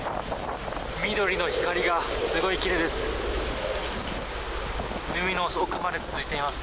緑の光がすごいきれいです。